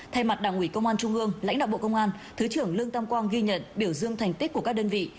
thay mặt đảng ủy công an trung ương lãnh đạo bộ công an thứ trưởng lương tam quang ghi nhận biểu dương thành tích của các đơn vị